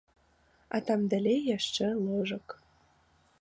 А там далей яшчэ ложак.